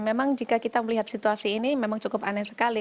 memang jika kita melihat situasi ini memang cukup aneh sekali